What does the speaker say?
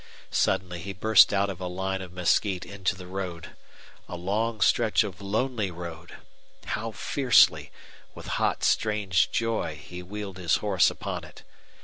Suddenly he burst out of a line of mesquite into the road. A long stretch of lonely road! How fiercely, with hot, strange joy, he wheeled his horse upon it!